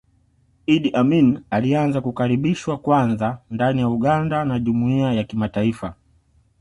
Idi Amin alianza kukaribishwa kwanza ndani ya Uganda na jumuiya ya kimataifa